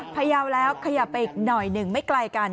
พยาวแล้วขยับไปอีกหน่อยหนึ่งไม่ไกลกัน